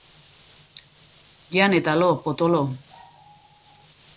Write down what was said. Jan eta lo, potolo.